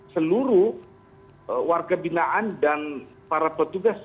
seluruh warga binaan dan para petugas